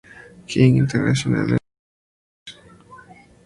King International Entertainer.